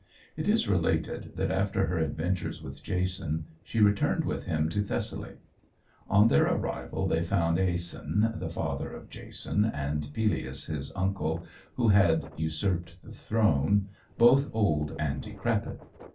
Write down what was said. It is related that, after her adventures with Jason, she returned with him to Thessaly. On their arrival they found Æson, the father of Jason, and Pelias, his uncle, who had usurped the throne, both old and decrepit.